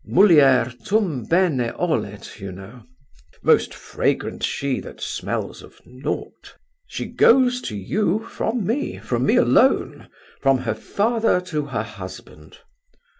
'Mulier tum bene olet', you know. Most fragrant she that smells of naught. She goes to you from me, from me alone, from her father to her husband.